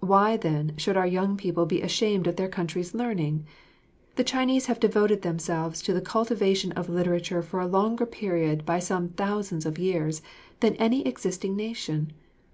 Why, then, should our young people be ashamed of their country's learning? The Chinese have devoted themselves to the cultivation of literature for a longer period by some thousands of years than any existing nation.